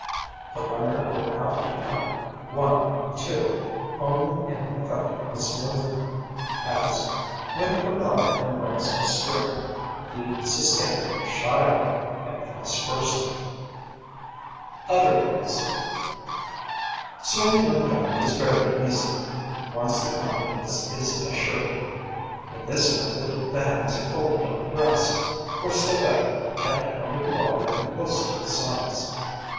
The learner will have to count one, two, only in effecting this movement, as, when the propeller and legs are striking, the sustainer is shot out, and vice versa. OTHER WAYS Swimming on the back is very easy, once the confidence is assured. In this method the hands are folded on the breast, or still better, kept under the water and close to the sides.